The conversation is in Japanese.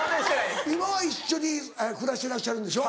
今は一緒に暮らしてらっしゃるんでしょ？